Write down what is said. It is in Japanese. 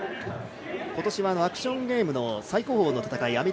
今年はアクションゲームの最高峰の戦い